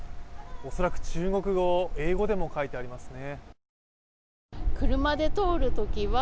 恐らく中国語、英語でも書いてありますね。